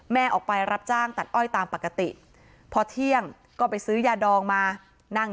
ออกไปรับจ้างตัดอ้อยตามปกติพอเที่ยงก็ไปซื้อยาดองมานั่ง